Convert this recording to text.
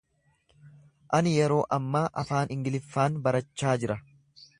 Ani yeroo ammaa Afaan Ingiliffaan barachaa jira.